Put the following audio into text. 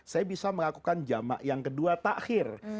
saya bisa melakukan jamak yang kedua takhir